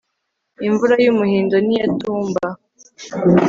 imvura yumuhindo niyitumba